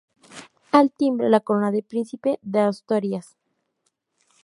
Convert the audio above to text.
Al timbre la corona de Príncipe de Asturias.